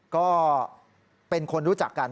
ก็เป็นคนรู้จักกัน